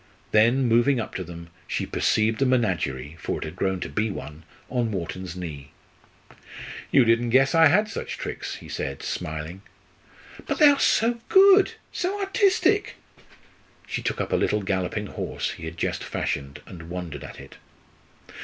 Then, moving up to them, she perceived the menagerie for it had grown to one on Wharton's knee. "You didn't guess I had such tricks," he said, smiling. "But they are so good so artistic!" She took up a little galloping horse he had just fashioned and wondered at it.